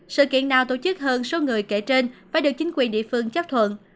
sự kiện nào tổ chức hơn số người kể trên phải được chính quyền địa phương chấp thuận